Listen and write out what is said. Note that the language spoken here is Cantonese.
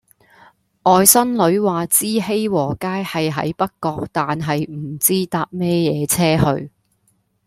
外甥女話知熙和街係喺北角但係唔知搭咩野車去